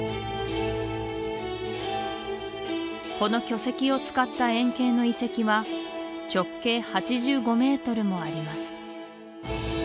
この巨石を使った円形の遺跡は直径８５メートルもあります